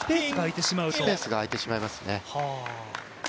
スペースが空いてしまいますね。